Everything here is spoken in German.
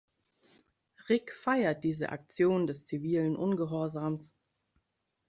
Rick feiert diese Aktion des zivilen Ungehorsams.